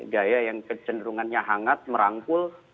gaya yang kecenderungannya hangat merangkul